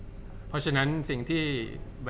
จากความไม่เข้าจันทร์ของผู้ใหญ่ของพ่อกับแม่